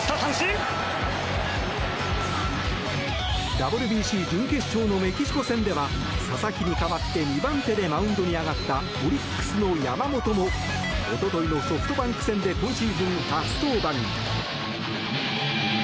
ＷＢＣ準決勝のメキシコ戦では佐々木に代わって２番手でマウンドに上がったオリックスの山本もおとといのソフトバンク戦で今シーズン初登板。